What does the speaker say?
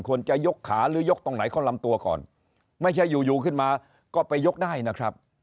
ควรจะยกขาหรือยกตรงไหนเข้าลำตัวก่อนไม่ใช่อยู่อยู่ขึ้นมาก็ไปยกได้นะครับ